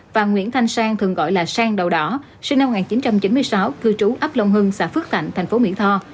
và nguyễn thanh sang thường gọi là sang đầu đỏ sinh năm một nghìn chín trăm chín mươi sáu cư trú ấp long hưng xã phước thạnh thành phố mỹ tho